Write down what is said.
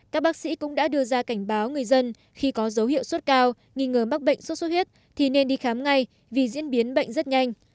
các bác sĩ cũng đã đưa ra cảnh báo người dân khi có dấu hiệu sốt cao nghi ngờ mắc bệnh sốt xuất huyết thì nên đi khám ngay vì diễn biến bệnh rất nhanh